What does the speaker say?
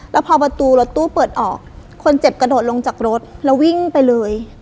แล้วพอประตูรถตู้เปิดออกคนเจ็บกระโดดลงจากรถแล้ววิ่งไปเลย